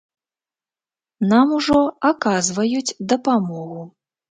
Нам ужо аказваюць дапамогу.